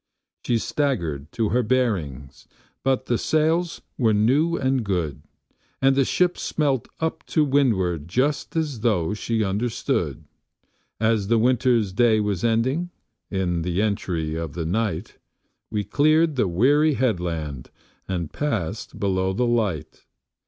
She staggered to her bearings, but the sails were new and good, And the ship smelt up to windward just as though she understood. As the winter's day was ending, in the entry of the night, We cleared the weary headland, and passed below the light.